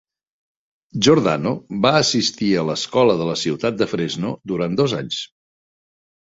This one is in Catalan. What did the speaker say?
Giordano va assistir a l"escola de la ciutat de Fresno durant dos anys.